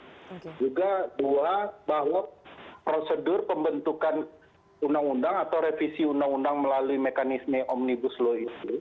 juga dua bahwa prosedur pembentukan undang undang atau revisi undang undang melalui mekanisme omnibus law itu